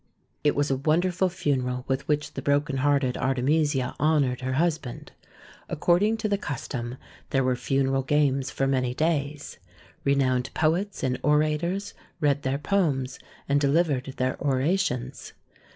It was a wonderful funeral with which the broken hearted Artemisia honoured her husband. According to the custom there were funeral games for many days. Renowned poets and orators read their poems and delivered their orations.